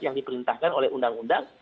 yang diperintahkan oleh undang undang